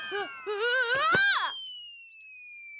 うわ！